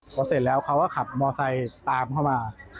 พอเสร็จแล้วเขาก็ขับมอไซค์ตามเข้ามา